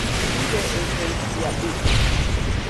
Vive en Reikiavik.